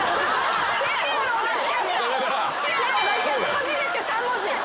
初めて３文字。